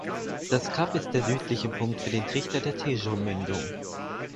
Das Kap ist der südliche Punkt für den Trichter der Tejo-Mündung.